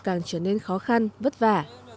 càng trở nên khó khăn vất vả